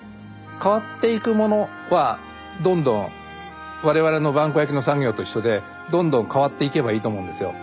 変わっていくものはどんどん我々の萬古焼の産業と一緒でどんどん変わっていけばいいと思うんですよ。